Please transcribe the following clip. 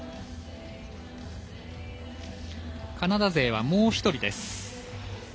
カナダ勢はもう１人です。